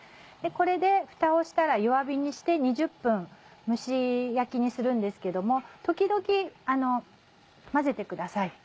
これでふたをしたら弱火にして２０分蒸し焼きにするんですけども時々混ぜてください。